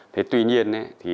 thế tuy nhiên